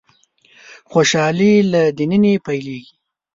خوشالي له د ننه پيلېږي.